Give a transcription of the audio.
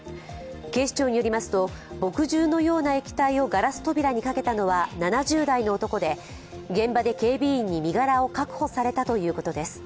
警視庁によりますと墨汁のような液体をガラス扉にかけたのは７０代の男で、現場で警備員に身柄を確保されたということです。